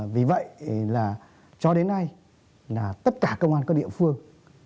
vì vậy là cho đến nay là tất cả công an các địa phương